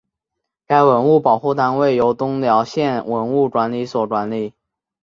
该文物保护单位由东辽县文物管理所管理。